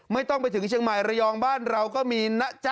ไม่ต้องไปถึงเชียงใหม่ระยองบ้านเราก็มีนะจ๊ะ